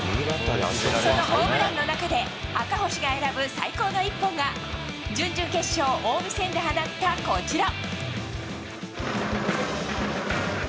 そのホームランの中で、赤星が選ぶ最高の一本が、準々決勝、近江戦で放った、こちら。